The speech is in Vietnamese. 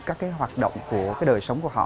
các cái hoạt động của cái đời sống của họ